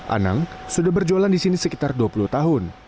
anang sudah berjualan di sini sekitar dua puluh tahun